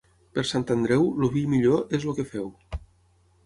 Per Sant Andreu, el vi millor és el que feu.